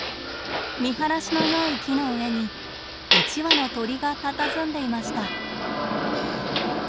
見晴らしのよい木の上に一羽の鳥がたたずんでいました。